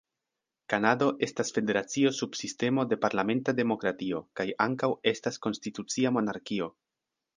Kanado estas federacio sub sistemo de parlamenta demokratio, kaj ankaŭ estas konstitucia monarkio.